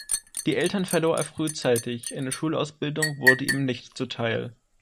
Die Eltern verlor er frühzeitig, eine Schulausbildung wurde ihm nicht zuteil.